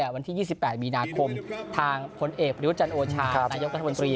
วันที่๒๘มีนาคมทางคนเอกพระยุทธจันทร์โอชานายกราศกรณ์ปรี